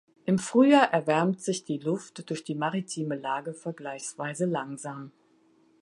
Im Frühjahr erwärmt sich die Luft durch die maritime Lage vergleichsweise langsam.